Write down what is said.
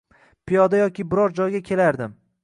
Piyoda yoki biror joyga kelardim.